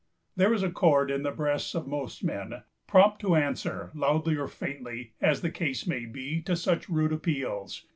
There is a chord, in the breasts of most men, prompt to answer loudly or faintly, as the case may be, to such rude appeals.